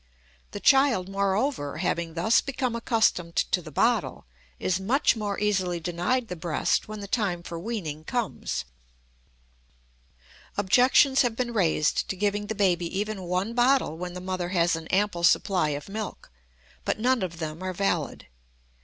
The child, moreover, having thus become accustomed to the bottle, is much more easily denied the breast when the time for weaning comes. Objections have been raised to giving the baby even one bottle when the mother has an ample supply of milk, but none of them are valid.